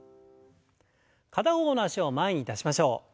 片方の脚を前に出しましょう。